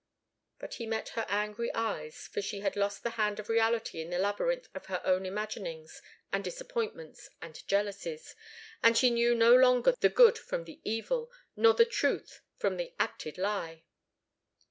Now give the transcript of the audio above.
But he met her angry eyes, for she had lost the hand of reality in the labyrinth of her own imaginings and disappointments and jealousies, and she knew no longer the good from the evil, nor the truth from the acted lie.